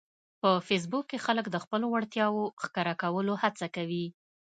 په فېسبوک کې خلک د خپلو وړتیاوو ښکاره کولو هڅه کوي